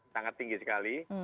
sangat tinggi sekali